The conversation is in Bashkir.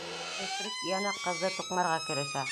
Ғифрит йәнә ҡыҙҙы туҡмарға керешә.